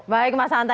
baik mas andri